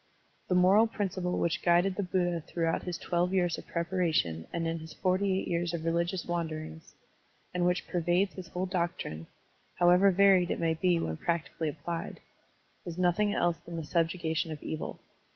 The moral principle which guided the Buddha throughout his twelve years of preparation and in his forty eight years of religious wanderings, and which pervades his whole doctrine, however varied it may be when practically applied, is nothing else than the subjugation of evil.